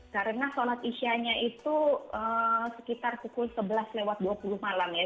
karena solat isyanya itu sekitar pukul sebelas lewat dua puluh malam ya